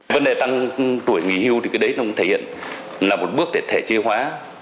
vấn đề tăng tuổi nghỉ hưu thì cái đấy nó cũng thể hiện là một bước để thể chế hóa